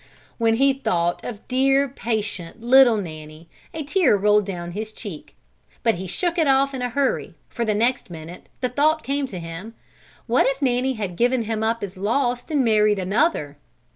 When he thought of dear, patient, little Nanny, a tear rolled down his cheek; but he shook it off in a hurry for the next minute the thought came to him, what if Nanny had given him up as lost and married another?